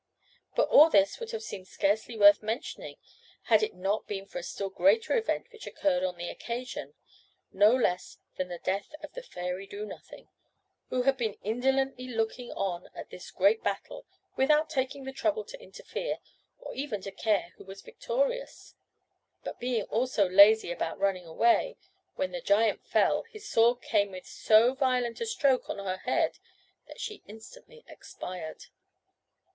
But all this would have seemed scarcely worth mentioning had it not been for a still greater event which occurred on the occasion, no less than the death of the fairy Do nothing, who had been indolently looking on at this great battle without taking the trouble to interfere, or even to care who was victorious; but being also lazy about running away, when the giant fell, his sword came with so violent a stroke on her head that she instantly expired.